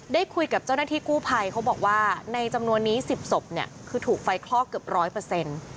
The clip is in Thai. ได้คุยกับเจ้าหน้าที่กู้ภัยเขาบอกว่าในจำนวนนี้๑๐ศพเนี่ยคือถูกไฟคลอกเกือบร้อยเปอร์เซ็นต์